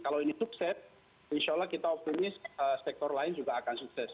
kalau ini sukses insya allah kita optimis sektor lain juga akan sukses